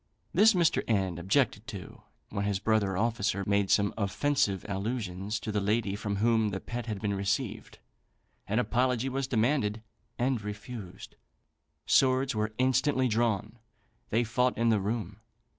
This Mr. N objected to; when his brother officer made some offensive allusions to the lady from whom the pet had been received. An apology was demanded, and refused. Swords were instantly drawn; they fought in the room.